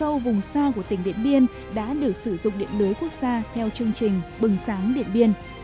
các bản vùng sâu của tỉnh điện biên đã được sử dụng điện lưới quốc gia theo chương trình bừng sáng điện biên